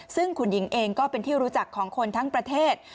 ซึ่งคุณหญิงเองก็เป็นที่รู้จักของคนทั้งประเทศ